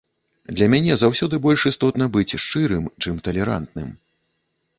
Для мяне заўсёды больш істотна быць шчырым, чым талерантным.